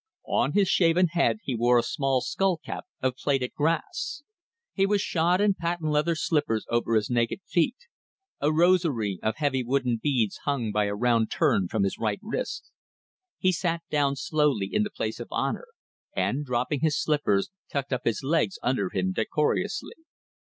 On his shaven head he wore a small skull cap of plaited grass. He was shod in patent leather slippers over his naked feet. A rosary of heavy wooden beads hung by a round turn from his right wrist. He sat down slowly in the place of honour, and, dropping his slippers, tucked up his legs under him decorously.